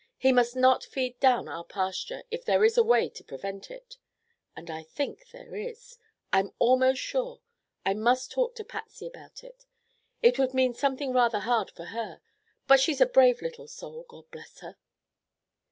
He must not feed down our pasture if there is a way to prevent it. And I think there is! I'm almost sure. I must talk to Patsy about it. It would mean something rather hard for her, but she's a brave little soul, God bless her!"